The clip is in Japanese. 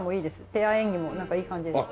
ペア演技もなんかいい感じです。